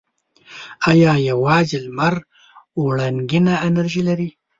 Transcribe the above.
آیا یوازې لمر وړنګینه انرژي لري؟